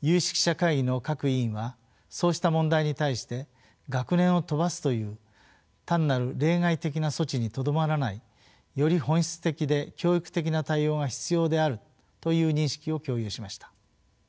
有識者会議の各委員はそうした問題に対して学年を飛ばすという単なる例外的な措置にとどまらないより本質的で教育的な対応が必要であるという認識を共有しました。